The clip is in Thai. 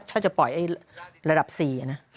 ถ้าจะปล่อยระดับ๔ใช่มั้ย